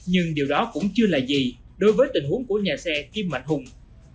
nhưng điều đó cũng chưa là gì đối với tình huống của nhà xe kim mạnh hùng